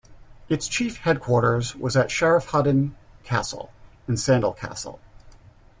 Its chief headquarters was at Sheriff Hutton Castle and Sandal Castle.